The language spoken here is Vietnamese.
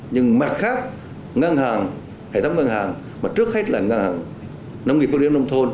nhưng mặt khác ngân hàng hệ thống ngân hàng mà trước hết là ngân hàng nông nghiệp phát triển nông thôn